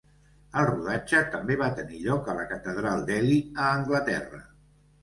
El rodatge també va tenir lloc a la Catedral d'Ely a Anglaterra.